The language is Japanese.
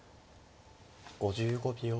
５５秒。